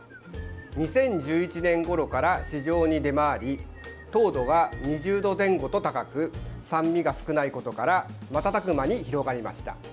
２０１１年ごろから市場に出回り糖度が２０度前後と高く酸味が少ないことから瞬く間に広がりました。